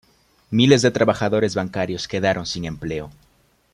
Miles de trabajadores bancarios quedaron sin empleo.